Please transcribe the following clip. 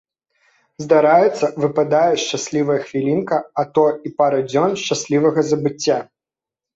Здараецца, выпадае шчаслівая хвілінка, а то і пара дзён шчаслівага забыцця.